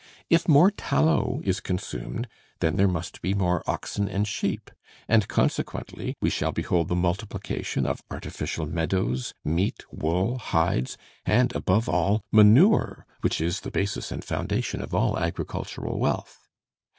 If more tallow is consumed, then there must be more oxen and sheep; and consequently, we shall behold the multiplication of artificial meadows, meat, wool, hides, and above all manure, which is the basis and foundation of all agricultural wealth.